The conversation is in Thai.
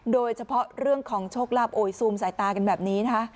โดยเฉพาะเรื่องของโชคลาบโอ๋ยซูมสายตากันแบบนี้